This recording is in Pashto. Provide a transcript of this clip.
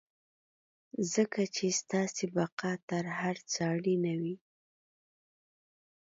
ځکه چې ستاسې بقا تر هر څه اړينه وي.